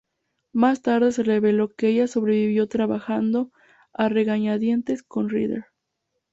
Más tarde se reveló que ella sobrevivió trabajando a regañadientes con Ryder.